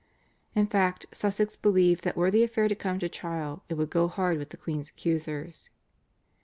In fact, Sussex believed that were the affair to come to trial it would go hard with the queen's accusers.